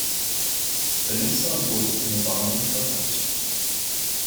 Benutzer wurden ohne Warnung verbannt.